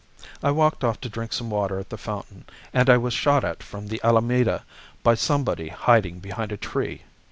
I walked off to drink some water at the fountain, and I was shot at from the Alameda by somebody hiding behind a tree.